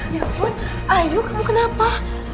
ya pun ayo kamu kenapa